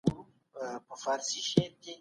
ټولنيز نظر هم اغېزمن و.